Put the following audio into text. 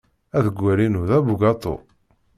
Aḍewwal-inu d abugaṭu.